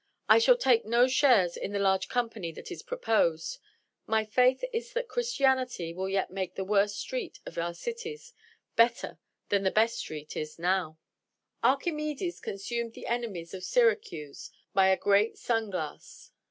I shall take no shares in the large company that is proposed; my faith is that Christianity will yet make the worst street of our cities better than the best street now is. Archimedes consumed the enemies of Syracuse by a great sun glass.